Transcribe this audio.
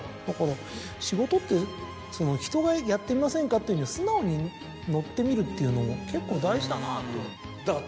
だから仕事ってひとが「やってみませんか？」っていうのに素直に乗ってみるっていうのも結構大事だなと。